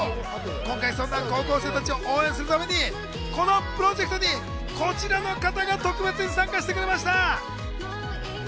今回そんな高校生たちを応援するために、このプロジェクトにこちらの方が特別に参加してくれました。